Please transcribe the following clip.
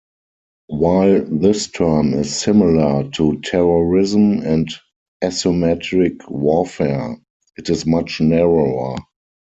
While this term is similar to terrorism and asymmetric warfare, it is much narrower.